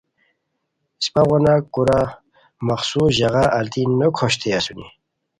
اسپہ غون کورا مخصوص ژاغا الیتی نوکھوشتئے اسونی۔